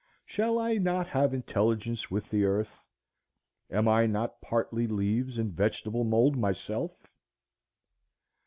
Shall I not have intelligence with the earth? Am I not partly leaves and vegetable mould myself?